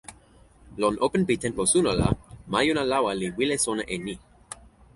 lon open pi tenpo suno la, majuna lawa li wile sona e ni: